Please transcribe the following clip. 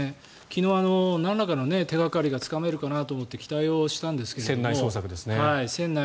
昨日なんらかの手掛かりがつかめるかなと思って期待をしたんですけど船内